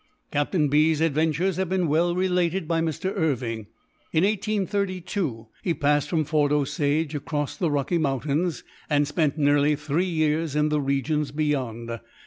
Captain B.'s adventures have been well related by Mr. Irving. In 1832, he passed from Fort Osage across the Rocky Mountains, and spent nearly three years in the regions beyond.